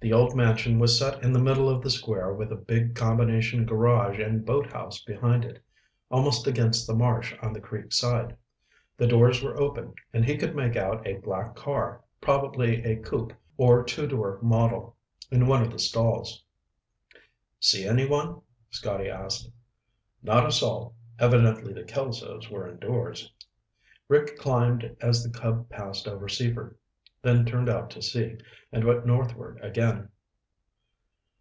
The old mansion was set in the middle of the square with a big combination garage and boathouse behind it, almost against the marsh on the creek side. The doors were open and he could make out a black car, probably a coupé or two door model, in one of the stalls. "See anyone?" Scotty asked. "Not a soul." Evidently the Kelsos were indoors. Rick climbed as the Cub passed over Seaford, then turned out to sea and went northward again.